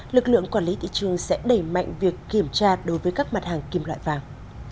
lực lượng quản lý thị trường sẽ đẩy mạnh việc kiểm tra đối với các mặt hàng kim loại vàng